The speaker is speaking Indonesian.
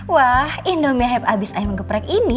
wah indomie hype abis ayam geprek ini